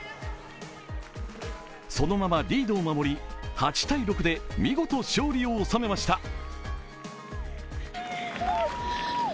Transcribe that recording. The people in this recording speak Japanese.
そのままリードを守り、８−６で見事勝利を収めました。